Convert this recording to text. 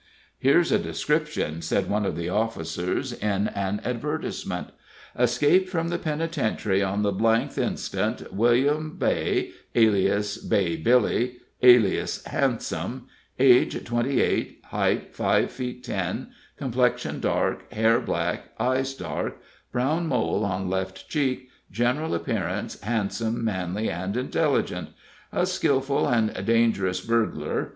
"Here's a description," said one of the officers, "in an advertisement: 'Escaped from the Penitentiary, on the th instant, William Beigh, alias Bay Billy, alias Handsome; age, twenty eight; height, five feet ten; complexion dark, hair black, eyes dark brown, mole on left cheek; general appearance handsome, manly, and intelligent. A skillful and dangerous burglar.